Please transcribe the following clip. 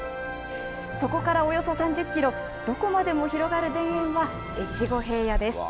そこからおよそ３０キロ、どこまでも広がる田園は越後平野です。